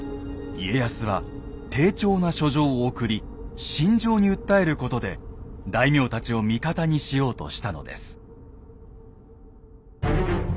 家康は丁重な書状を送り心情に訴えることで大名たちを味方にしようとしたのです。